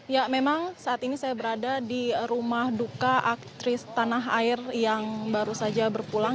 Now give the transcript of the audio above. ya memang saat ini saya berada di rumah duka aktris tanah air yang baru saja berpulang